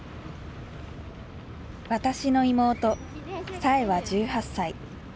私の妹彩英は１８歳。